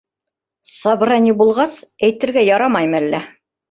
Собрание булғас, әйтергә ярамаймы әллә?